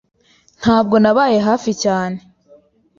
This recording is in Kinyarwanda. Ntabwo nabaye hafi cyane.